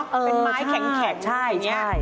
เป็นไม้แข็งแข็ดใช่